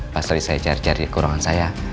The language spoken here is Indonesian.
pas tadi saya cari cari ke ruangan saya